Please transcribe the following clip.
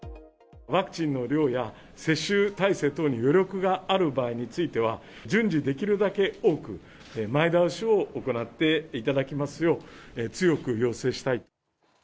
ワクチンの量や接種体制等に余力がある場合については、順次、できるだけ多く前倒しを行っていただきますよう、強く要請したい。